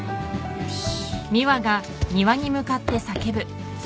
よし！